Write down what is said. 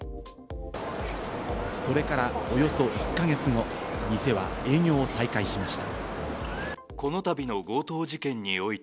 それからおよそ１か月後、店は営業を再開しました。